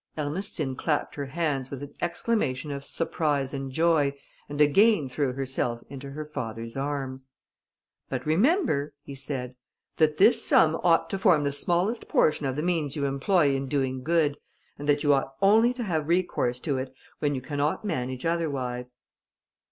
Ernestine clapped her hands with an exclamation of surprise and joy, and again threw herself into her father's arms. "But remember," he said, "that this sum ought to form the smallest portion of the means you employ in doing good, and that you ought only to have recourse to it when you cannot manage otherwise."